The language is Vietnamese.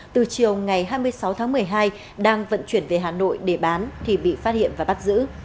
từ chiều ngày hai mươi sáu tháng một mươi hai đang vận chuyển về hà nội để bán thì bị phát hiện và bắt giữ